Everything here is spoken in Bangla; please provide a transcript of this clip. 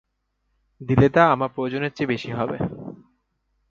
দিলে তা আমার প্রয়োজনের চেয়ে বেশী হবে।